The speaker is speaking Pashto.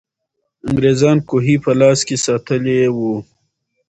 انګریزان کوهي په لاس کې ساتلې وو.